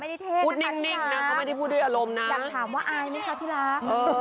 ไม่ได้เทพนะคะอยากถามว่าอายมมือซะที่รัก